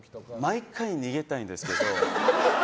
毎回逃げたいんですけど。